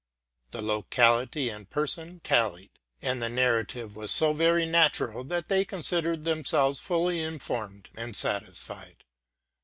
The locality and person tallied; and the narrative was so very natural, that they considered themselves fully informed and satisfied.